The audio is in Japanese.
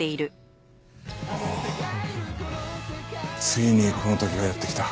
ついにこの時がやって来た。